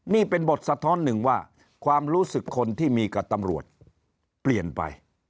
นี่เป็นบทสะท้อนหนึ่งว่าความรู้สึกคนที่มีกับตำรวจเปลี่ยนไป